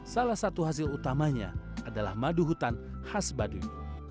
salah satu hasil utamanya adalah madu hutan khas baduy